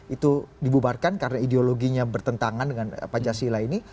itu dibubarkan karena ideologinya bertentangan dengan pancasila ini